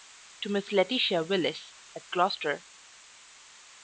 To Miss LAETITIA WILLIS, at Gloucester.